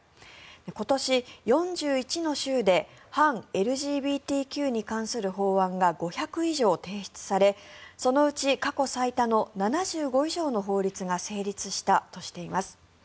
今年、４１の州で反ＬＧＢＴＱに関する法案が５００以上提出されそのうち、過去最多の７５以上の法律が成立したとしています。